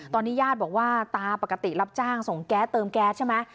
ตอนนี้ญาติบอกว่าตาปกติรับจ้างส่งแก๊สเติมแก๊สใช่ไหม